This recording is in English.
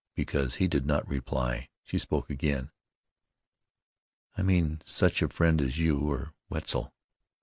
Because he did not reply she spoke again. "I mean such a friend as you or Wetzel."